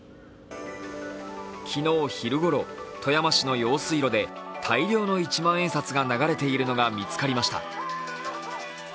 昨日昼頃、富山市の用水路で大量の一万円札が流れているのが見つかりました。